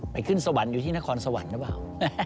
ขึ้นสวรรค์อยู่ที่นครสวรรค์หรือเปล่า